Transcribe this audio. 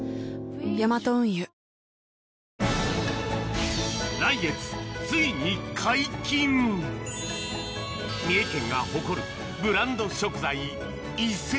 ヤマト運輸ついに三重県が誇るブランド食材